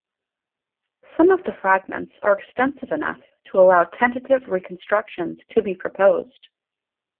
Some of the fragments are extensive enough to allow tentative reconstructions to be proposed.